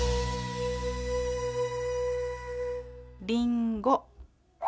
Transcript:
りんご。